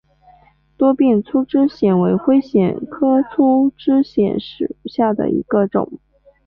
多变粗枝藓为灰藓科粗枝藓属下的一个种。